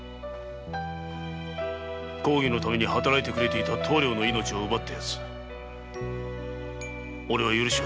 公儀のために働いてくれていた棟梁の命を奪ったヤツおれは許しはせぬ！